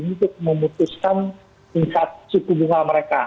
untuk memutuskan tingkat suku bunga mereka